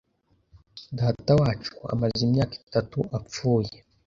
Datawacu amaze imyaka itatu apfuye.